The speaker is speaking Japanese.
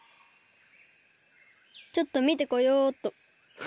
ちょっとみてこようっと。